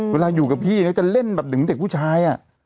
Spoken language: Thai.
เวลาอยู่กับพี่นะจะเล่นแบบถึงเด็กผู้ชาย